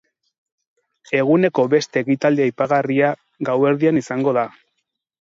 Eguneko beste ekitaldi aipagarria gauerdian izango da.